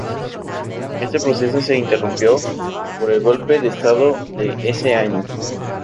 Este proceso se interrumpió por el golpe de estado de ese año.